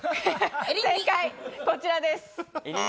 正解こちらです。